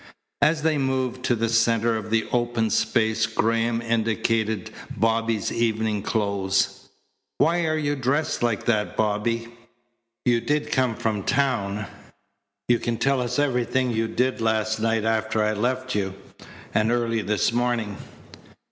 As they moved to the centre of the open space Graham indicated Bobby's evening clothes. "Why are you dressed like that, Bobby? You did come from town? You can tell us everything you did last night after I left you, and early this morning?"